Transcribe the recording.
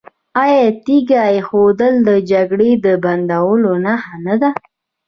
آیا تیږه ایښودل د جګړې د بندولو نښه نه ده؟